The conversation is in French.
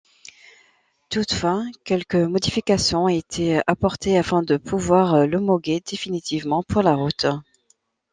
Toutefois quelques modifications ont été apportées afin de pouvoir l’homologuer définitivement pour la route.